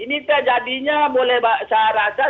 ini terjadinya boleh saya rasa